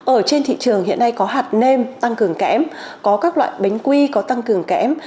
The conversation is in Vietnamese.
ở trên thị trường hiện nay có hạt nem tăng cường kẽm có các loại bánh quy có tăng cường kém